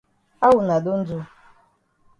How wuna don do?